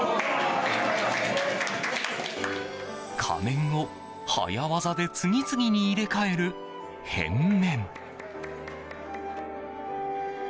仮面を、早業で次々に入れ替える変面。